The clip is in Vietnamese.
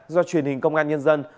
do truyền hình công an nhân dân